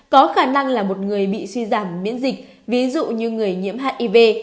có khả năng là một người bị suy giảm miễn dịch ví dụ như người nhiễm hiv